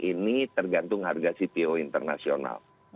ini tergantung harga cpo internasional